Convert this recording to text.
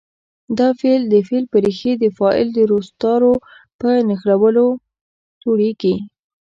دا فعل د فعل په ریښې د فاعل د روستارو په نښلولو جوړیږي.